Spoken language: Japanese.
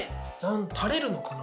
たれるのかな？